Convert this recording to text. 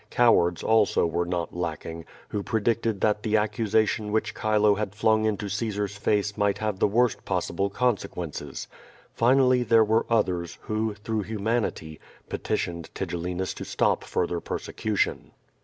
Cowards also were not lacking, who predicted that the accusation which Chilo had flung into Caesar's face might have the worst possible consequences. Finally there were others, who, through humanity, petitioned Tigellinus to stop further persecution.